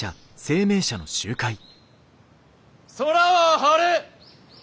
空は晴れ！